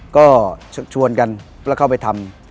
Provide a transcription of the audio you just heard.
ก็ชวนกันแล้วเข้าไปทำ